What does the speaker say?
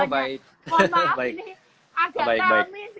mohon maaf ini agak kami sekarang ini